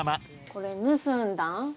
これ盗んだん？